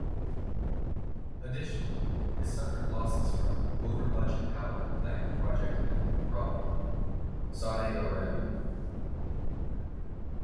Additionally, it suffered losses from an over-budget power plant project in Rabigh, Saudi Arabia.